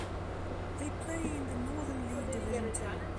They play in the Northern League Division Two.